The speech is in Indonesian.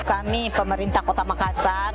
kami pemerintah kota makassar